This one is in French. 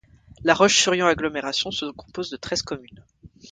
La Roche-sur-Yon-Agglomération se compose de treize communes.